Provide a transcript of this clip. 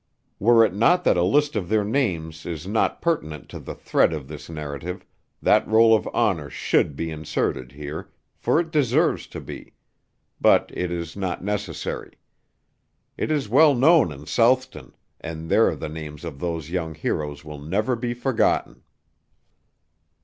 Were it not that a list of their names is not pertinent to the thread of this narrative, that roll of honor should be inserted here, for it deserves to be; but it is not necessary. It is well known in Southton, and there the names of those young heroes will never be forgotten.